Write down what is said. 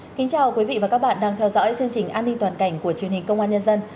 kính chào quý vị và các bạn đang theo dõi chương trình an ninh toàn cảnh của truyền hình công an nhân dân